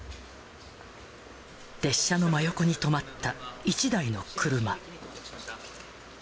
列車の真横に止まった１台の車。